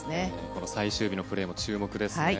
この最終日のプレーも注目ですね。